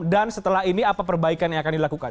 dan setelah ini apa perbaikan yang akan dilakukan